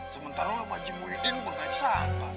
sementara lo sama jimu iden bergaya sangka